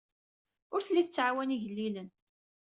Ur telli tettɛawan igellilen.